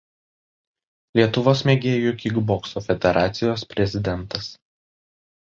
Lietuvos mėgėjų kikbokso federacijos prezidentas.